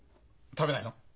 食べないの？